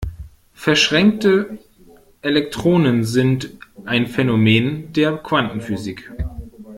Verschränkte Elektronen sind ein Phänomen der Quantenphysik.